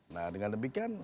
nah dengan demikian